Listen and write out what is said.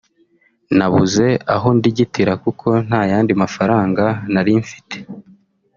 nabuze aho ndigitira kuko nta yandi mafaranga nari mfite